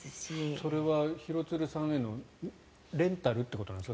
それは廣津留さんへのレンタルっていうことなんですか？